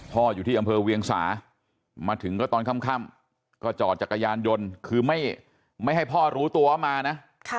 อยู่ที่อำเภอเวียงสามาถึงก็ตอนค่ำก็จอดจักรยานยนต์คือไม่ให้พ่อรู้ตัวว่ามานะ